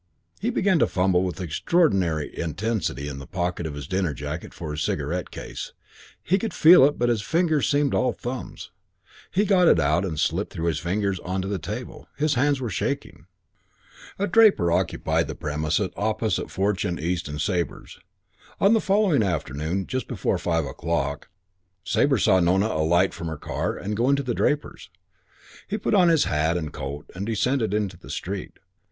He began to fumble with extraordinary intensity in the pocket of his dinner jacket for his cigarette case. He could feel it, but his fingers seemed all thumbs. He got it out and it slipped through his fingers on to the table. His hands were shaking. CHAPTER VI I A draper occupied the premises opposite Fortune, East and Sabre's. On the following afternoon, just before five o'clock, Sabre saw Nona alight from her car and go into the draper's. He put on his hat and coat and descended into the street.